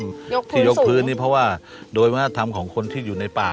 ยกพื้นสูงยกพื้นนี่เพราะว่าโดยว่าทำของคนที่อยู่ในป่า